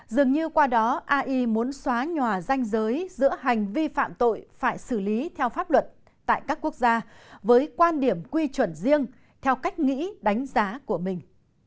dường như qua đó ai muốn xóa nhòa danh giới giữa hành vi phạm tội phải xử lý theo pháp luật tại các quốc gia với quan điểm quy chuẩn riêng theo cách nghĩ đánh giá của mình